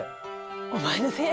お前のせいや！